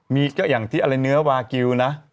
มีก็อย่างที่อะไรเนื้อวากิลนะ